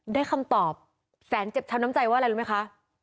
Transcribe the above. คำตอบแสนเจ็บช้ำน้ำใจว่าอะไรรู้ไหมคะ